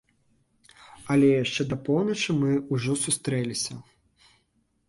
Але яшчэ да паўночы мы ўжо сустрэліся.